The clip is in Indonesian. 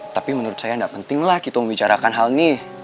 tapi menurut saya tidak pentinglah kita membicarakan hal ini